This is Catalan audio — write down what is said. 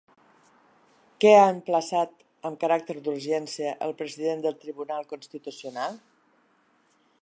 Què ha emplaçat amb caràcter d'urgència el president del Tribunal Constitucional?